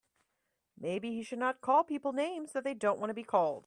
Maybe he should not call people names that they don't want to be called.